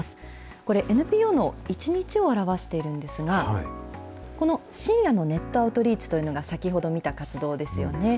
これ、ＮＰＯの一日を表しているんですが、この深夜のネットアウトリーチというのが、先ほど見た活動ですよね。